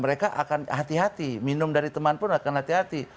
mereka akan hati hati minum dari teman pun akan hati hati